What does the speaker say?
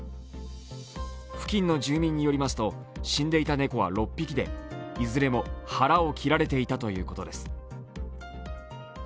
付近の住民によりますと、死んでいた猫は６匹で、いずれも腹を切られていたということです。